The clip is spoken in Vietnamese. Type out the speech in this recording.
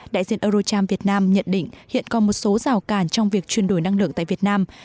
đại diện eurocharm việt nam nhận định hiện còn một số rào cản trong việc chuyển đổi năng lượng tại việt nam